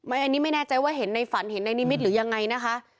อันนี้ไม่แน่ใจว่าเห็นในฝันเห็นในนิมิตหรือยังไงนะคะ